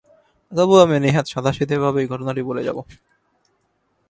তবু আমি নেহাত সাদাসিধেভাবেই ঘটনাটি বলে যাব।